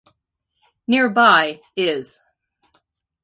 Nearby is.